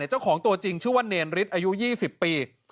เจ้าของตัวจริงชื่อว่าเนรฤทธิ์อายุ๒๐ปี